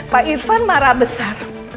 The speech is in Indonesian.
pak irvan marah besar